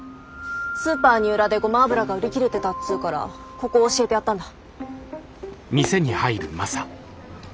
スーパー二浦でゴマ油が売り切れてたっつうからここ教えてやったんだ。